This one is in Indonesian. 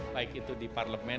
baik itu di parlemen